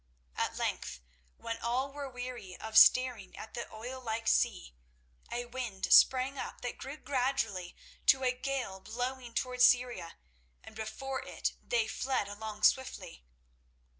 At length, when all were weary of staring at the oil like sea, a wind sprang up that grew gradually to a gale blowing towards Syria, and before it they fled along swiftly.